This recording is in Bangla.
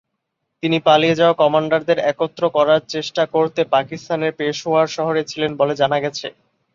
তিনি পালিয়ে যাওয়া কমান্ডারদের একত্র করার চেষ্টা করতে পাকিস্তানের পেশোয়ার শহরে ছিলেন বলে জানা গেছে।